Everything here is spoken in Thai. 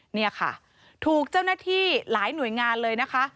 นี่ค่ะถูกเจ้าหน้าที่หลายหน่วยงานเลยนะคะ